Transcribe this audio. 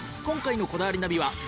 今回の『こだわりナビ』は。